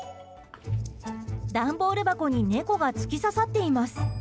段ボール箱に猫が突き刺さっています。